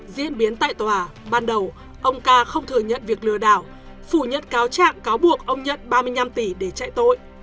diễn biến tại tòa ban đầu ông ca không thừa nhận việc lừa đảo phủ nhận cáo trạng cáo buộc ông nhận ba mươi năm tỷ để chạy tội